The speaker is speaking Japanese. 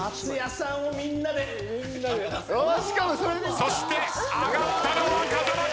そして上がったのは風間君！